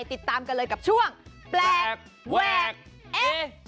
ติดตามกันเลยกับช่วงแปลกแหวกเอ๊ะ